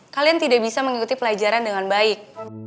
kalian tidak bisa mengikuti pelajaran dengan baik